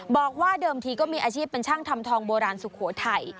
บอกว่าเดิมทีก็มีอาชีพเป็นช่างทำทองโบราณสุโขทัย